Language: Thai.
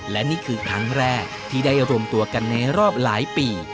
และนี่คือครั้งแรกที่ได้รวมตัวกันในรอบหลายปี